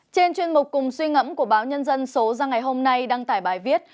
trên chuyên mục cùng suy ngẫm của báo nhân dân số ra ngày hôm nay đăng tải bài viết